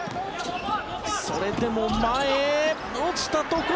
それでも前落ちたところ